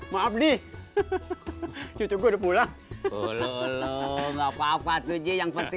maaf nih cukup udah pulang